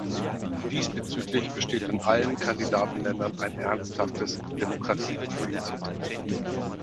Diesbezüglich besteht in allen Kandidatenländern ein ernsthaftes Demokratiedefizit.